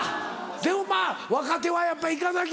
でもまぁ若手はやっぱ行かなきゃ。